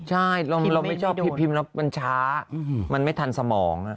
ใช่เราไม่ชอบพิมพ์แล้วมันช้ามันไม่ทันสมอง